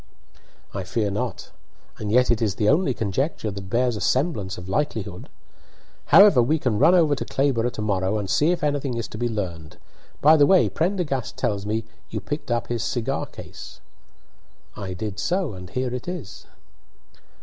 "I fear not; and yet it is the only conjecture that bears a semblance of likelihood. However we can run over to Clayborough to morrow and see if anything is to be learned. By the way Prendergast tells me you picked up his cigar case." "I did so, and here it is."